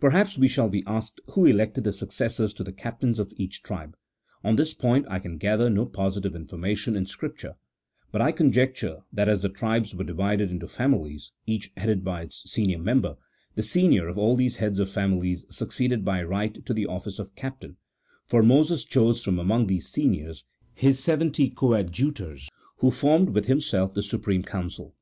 Perhaps we shall be asked who elected the successors to the captains of each tribe ; on this point I can gather no positive information in Scripture, but I conjecture that as the tribes were divided into families, each headed by its senior member, the senior of all these heads of families succeeded by right to the office of captain, for Moses chose from among these seniors his seventy coadjutors, who formed with himself the supreme council.